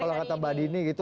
kalau kata badini gitu